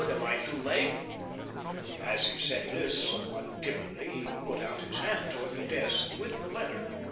Am I top late ?" As, he said this, somewhat timidly, he put out his hand toward the desk with the letter.